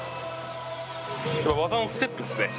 技のステップですね。